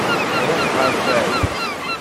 Tṛuḥ ɣer Paris.